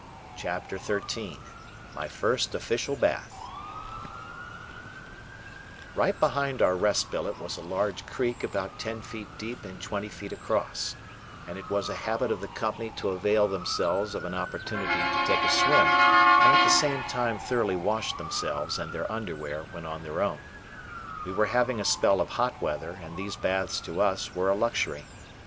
CHAPTER XIII MY FIRST OFFICIAL BATH Right behind our rest billet was a large creek about ten feet deep and twenty feet across, and it was a habit of the company to avail themselves of an opportunity to take a swim and at the same time thoroughly wash themselves and their underwear when on their own. We were having a spell of hot weather, and these baths to us were a luxury.